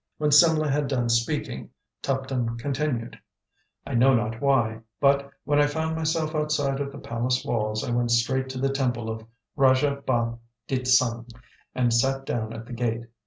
When Simlah had done speaking, Tuptim continued: "I know not why, but, when I found myself outside of the palace walls, I went straight to the temple of Rajah Bah ditt Sang, and sat down at the gate.